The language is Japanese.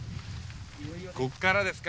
ここからですか？